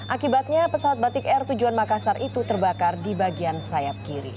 akibatnya pesawat batik air tujuan makassar itu terbakar di bagian sayap kiri